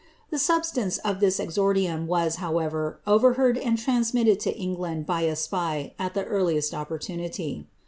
The substance of this exonlium was, however, overheard and transmitted to England by a spy, at the earliest opportunity.'